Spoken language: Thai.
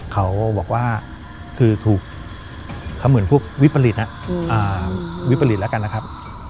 เขาบอกว่าคือถูกเขาเหมือนพวกวิปริตวิปริตแล้วกันนะครับ